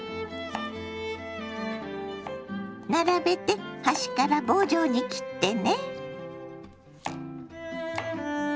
並べて端から棒状に切ってね。